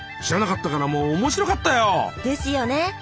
知らなかったからもう面白かったよ。ですよね。